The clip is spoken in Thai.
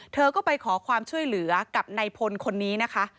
เธอก็ไปขอความช่วยเหลือกับนายพลคนนี้นะคะ